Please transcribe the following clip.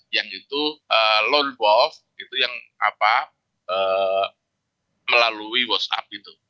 yang itu lone wolf itu yang melalui whatsapp itu